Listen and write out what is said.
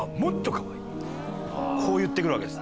こう言って来るわけです。